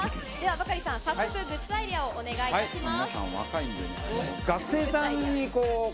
バカリさん、早速グッズアイデアをお願いします。